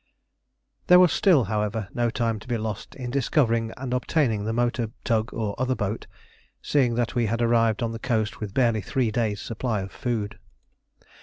There was still, however, no time to be lost in discovering and obtaining the motor tug or other boat, seeing that we had arrived on the coast with barely three days' supply of food.